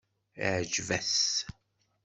Iεǧeb-as?